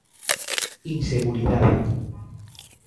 Inseguridade.